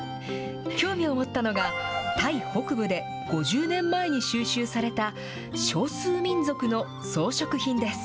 興味を持ったのが、タイ北部で５０年前に収集された少数民族の装飾品です。